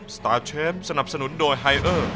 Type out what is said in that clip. สตาร์เชฟสนับสนุนโดยไฮเออร์